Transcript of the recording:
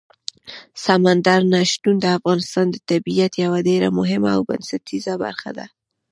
سمندر نه شتون د افغانستان د طبیعت یوه ډېره مهمه او بنسټیزه برخه ده.